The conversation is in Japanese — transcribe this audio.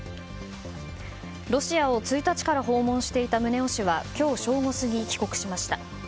ロシアを１日から訪問していた宗男氏は今日正午過ぎ、帰国しました。